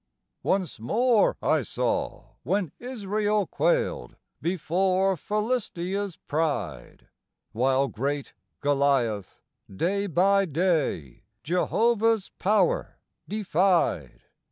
Once more I saw when Israel quailed before Philistia's pride; While great Goliath, day by day, Jehovah's power defied.